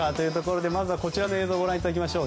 まずこちらの映像をご覧いただきます。